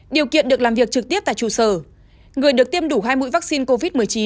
điều kiện được làm việc trực tiếp tại trụ sở người được tiêm đủ hai mũi vaccine covid một mươi chín